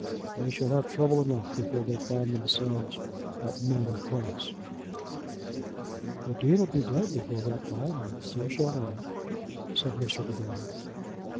They shall have trouble enough before they find themselves at Manor Cross." "The Dean'll be dead before that time; and so shall I," said Mr. De Baron.